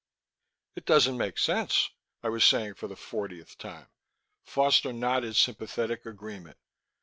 "It doesn't make sense," I was saying for the fortieth time. Foster nodded sympathetic agreement.